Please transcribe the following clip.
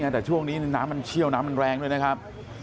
แต่ช่วงนี้น้ำมันเชี่ยวน้ำมันแรงด้วยนะครับ